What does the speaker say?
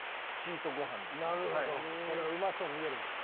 これがうまそうに見えるんかな。